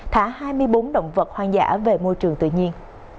thả hai mươi bốn động vật hoang dã về môi trường tự nhiên